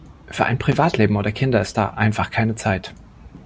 Für ein Privatleben oder Kinder ist da einfach keine Zeit.